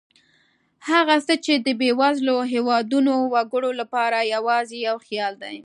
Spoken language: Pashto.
هغه څه چې د بېوزلو هېوادونو وګړو لپاره یوازې یو خیال دی.